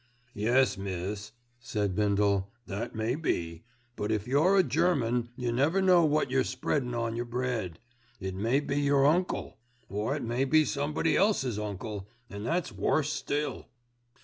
"Yes, miss," said Bindle, "that may be; but if you're a German you never know what you're spreadin' on your bread. It may be your uncle, or it may be somebody else's uncle, an' that's worse still."